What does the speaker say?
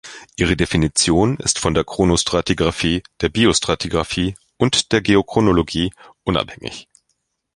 Ihre Definition ist von der Chronostratigraphie, der Biostratigraphie und der Geochronologie unabhängig.